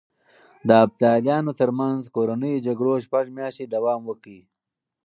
د ابداليانو ترمنځ کورنيو جګړو شپږ مياشتې دوام وکړ.